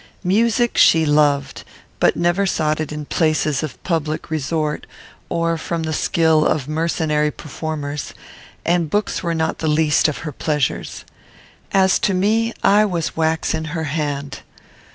Music she loved, but never sought it in places of public resort, or from the skill of mercenary performers; and books were not the least of her pleasures. As to me, I was wax in her hand.